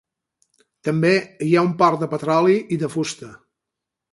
També hi ha un port de petroli i de fusta.